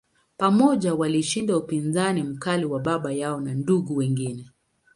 Pamoja, walishinda upinzani mkali wa baba yao na ndugu wengine.